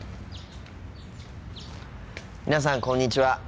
皆さんこんにちは。